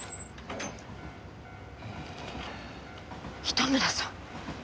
糸村さん。